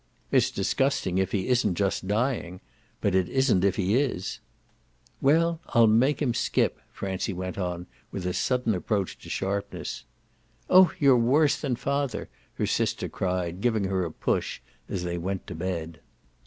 "It's disgusting if he isn't just dying; but it isn't if he is." "Well, I'll make him skip!" Francie went on with a sudden approach to sharpness. "Oh you're worse than father!" her sister cried, giving her a push as they went to bed.